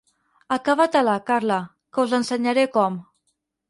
Acaba-te-la, Carla, que us ensenyaré com.